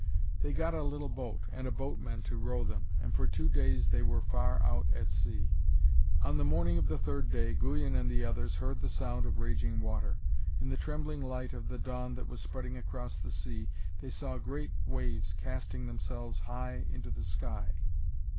They got a little boat, and a boatman to row them, and for two days they were far out at sea. On the morning of the third day, Guyon and the others heard the sound of raging water. In the trembling light of the dawn that was spreading across the sea they saw great waves casting themselves high into the sky.